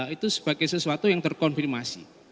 itu sebagai sesuatu yang terkonfirmasi